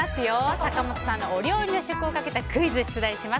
坂本さんのお料理の試食をかけたクイズを出題します。